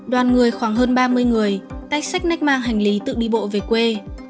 đoàn người khoảng hơn ba mươi người tách sách nách mang hành lý tự đi bộ về quê